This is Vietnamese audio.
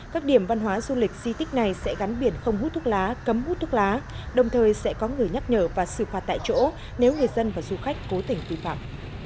các điểm văn hóa du lịch di tích này sẽ gắn biển không hút thuốc lá cấm hút thuốc lá đồng thời sẽ có người nhắc nhở và xử phạt tại chỗ nếu người dân và du khách cố tình vi phạm